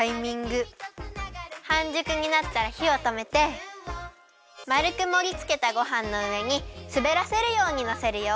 はんじゅくになったらひをとめてまるくもりつけたごはんのうえにすべらせるようにのせるよ。